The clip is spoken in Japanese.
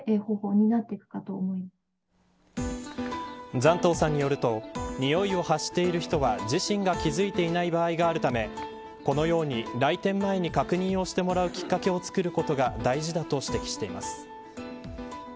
山藤さんによると臭いを発している人は自身が気付いていない場合があるためこのように来店前に確認をしてもらうきっかけを作ることが大事だと指摘しています。